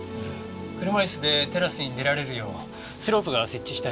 車椅子でテラスに出られるようスロープが設置してあります。